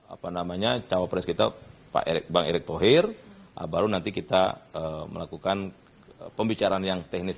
apa namanya cawapres kita pak erick thohir baru nanti kita melakukan pembicaraan yang teknis